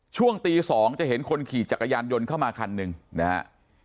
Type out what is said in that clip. ช่วงตี๒จะเห็นคนขี่จักรยานยนต์เข้ามาคันหนึ่งนะฮะ